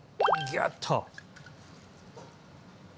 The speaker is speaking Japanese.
ギュッと！